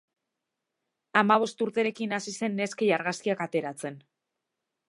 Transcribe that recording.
Hamabost urterekin hasi zen neskei argazkiak ateratzen.